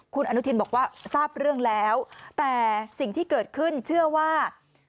คุณอนุทินบอกว่าทราบเรื่องแล้วแต่สิ่งที่เกิดขึ้นเชื่อว่า